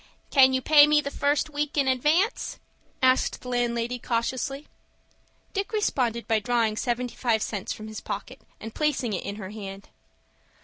"Can you pay me the first week in advance?" asked the landlady, cautiously. Dick responded by drawing seventy five cents from his pocket, and placing it in her hand.